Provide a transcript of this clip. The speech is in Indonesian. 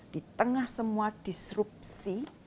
di tengah semua disrupsi